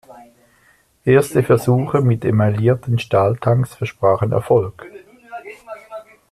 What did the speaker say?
Erste Versuche mit emaillierten Stahltanks versprachen Erfolg.